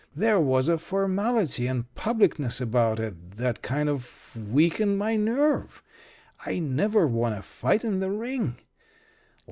There was a formality and publicness about it that kind of weakened my nerve. I never won a fight in the ring.